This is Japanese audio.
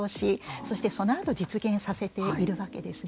そしてそのあと実現させているわけですね。